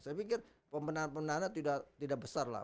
saya pikir pembinaan pembinaannya tidak besar lah